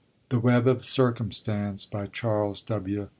THE WEB OF CIRCUMSTANCE CHARLES W.